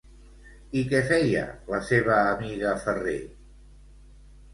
I què feia la seva amiga Ferrer?